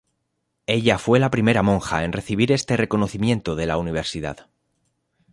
Ella fue la primera monja en recibir este reconocimiento de la universidad.